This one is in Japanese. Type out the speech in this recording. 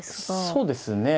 そうですね。